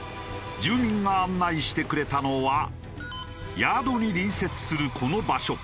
住民が案内してくれたのはヤードに隣接するこの場所。